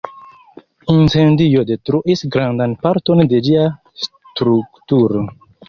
Incendio detruis grandan parton de ĝia strukturo.